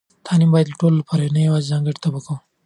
تعلیم باید د ټولو لپاره وي، نه یوازې د ځانګړو طبقو.